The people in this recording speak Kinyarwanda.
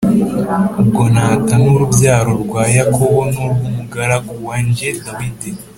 ubwo nata n urubyaro rwa Yakobo n urw umugaragu wanjye Dawidi